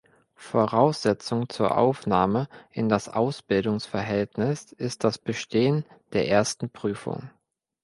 Voraussetzung zur Aufnahme in das Ausbildungsverhältnis ist das Bestehen der ersten Prüfung.